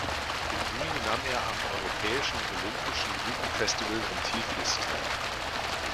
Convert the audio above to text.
Im Juli nahm er am Europäischen Olympischen Jugendfestival in Tiflis teil.